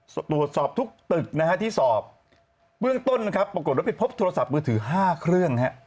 ตรวจสอบทุกตึกที่สอบเบื้องต้นปรากฏแล้วไปพบโทรศัพท์มือถือ๕เครื่อง